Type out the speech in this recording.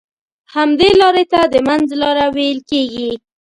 همدې لارې ته د منځ لاره ويل کېږي.